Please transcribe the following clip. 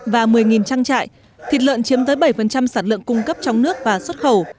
và một mươi trang trại thịt lợn chiếm tới bảy sản lượng cung cấp trong nước và xuất khẩu